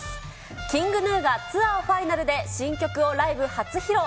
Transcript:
ＫｉｎｇＧｎｕがツアーファイナルで新曲をライブ初披露。